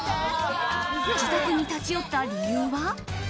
自宅に立ち寄った理由は？